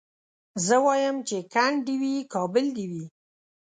زه وايم چي کند دي وي کابل دي وي